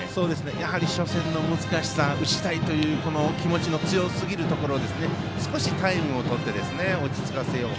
初戦の難しさ打ちたいという気持ちの強すぎるところを少しタイムをとって落ち着かせようと。